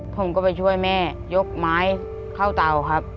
ผมก็ไปช่วยแม่ยกไม้เข้าเตาครับ